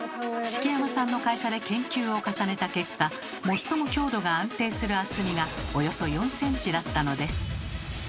敷山さんの会社で研究を重ねた結果最も強度が安定する厚みがおよそ４ｃｍだったのです。